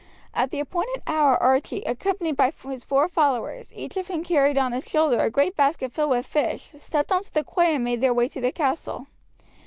At the appointed hour Archie, accompanied by his four followers, each of whom carried on his shoulder a great basket filled with fish, stepped on to the quay and made their way to the castle.